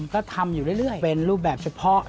ก็ทำอยู่เรื่อยเป็นรูปแบบเฉพาะ